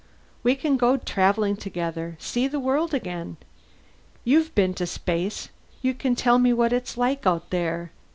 We can go travelling together, see the world again. You've been to space; you can tell me what it's like out there.